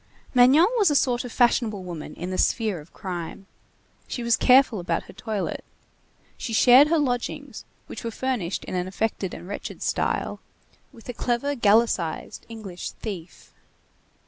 Magnon was a sort of fashionable woman in the sphere of crime. She was careful about her toilet. She shared her lodgings, which were furnished in an affected and wretched style, with a clever gallicized English thief.